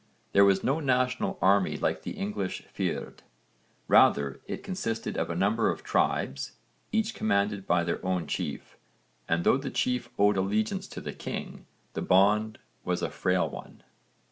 There was no national army like the English fyrd. Rather it consisted of a number of tribes, each commanded by its own chief, and though the chief owed allegiance to the king, the bond was a frail one.